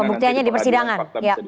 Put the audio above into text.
pembuktiannya di persidangan